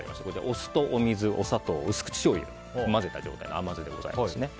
お酢とお水、お砂糖薄口しょうゆを混ぜた状態の甘酢でございます。